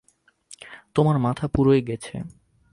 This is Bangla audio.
তোমার মাথা পুরোই গেছে।